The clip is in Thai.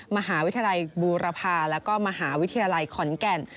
มหาวิทยาลัยบูรพาแล้วก็มหาวิทยาลัยขอนแก่น